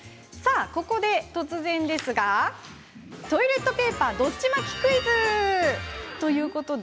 突然ですがトイレットペーパーどっち巻きクイズです。